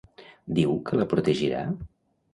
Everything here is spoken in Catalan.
Diu que la protegirà?